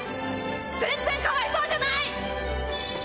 全然かわいそうじゃない！